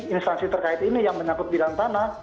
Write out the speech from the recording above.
instansi terkait ini yang menyangkut bidang tanah